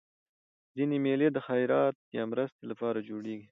ځيني مېلې د خیرات یا مرستي له پاره جوړېږي.